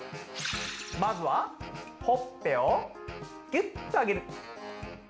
まずはほっぺをギュッとあげる。